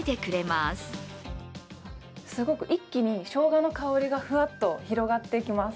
すごく一気にしょうがの香りがフワッと広がってきます。